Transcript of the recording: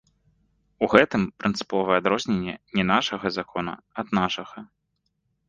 У гэтым прынцыповае адрозненне не нашага закона ад нашага.